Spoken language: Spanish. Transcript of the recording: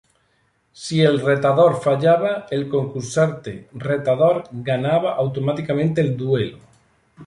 Si el retador fallaba, el concursante retador ganaba automáticamente el duelo.